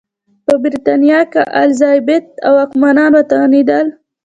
په برېټانیا کې الیزابت او واکمنان وتوانېدل.